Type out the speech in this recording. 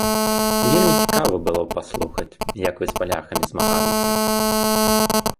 Вельмі цікава было б паслухаць, як вы з палякамі змагаліся.